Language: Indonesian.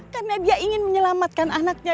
karena dia ingin menyelamatkan anaknya